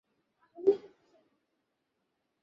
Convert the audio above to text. Interview, চলাকালেই দু জন লোক তাঁকে নিতে এল।